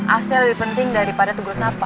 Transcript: asya lebih penting daripada tugul sapa